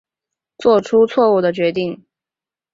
做出错误的决定